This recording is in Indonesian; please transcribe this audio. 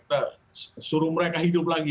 kita suruh mereka hidup lagi